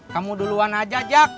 kamu duluan aja jak